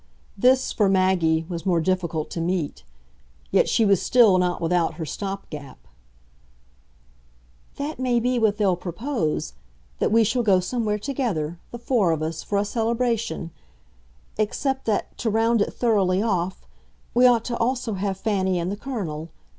This, for Maggie, was more difficult to meet; yet she was still not without her stop gap. "That may be what they'll propose that we shall go somewhere together, the four of us, for a celebration except that, to round it thoroughly off, we ought also to have Fanny and the Colonel.